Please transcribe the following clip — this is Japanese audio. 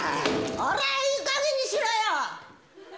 こら、いいかげんにしろよ。